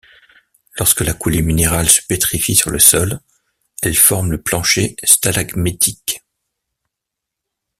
Lorsque la coulée minérale se pétrifie sur le sol, elle forme le plancher stalagmitique.